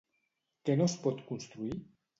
Què no es pot construir?